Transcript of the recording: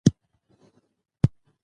وګړي د افغان ماشومانو د لوبو موضوع ده.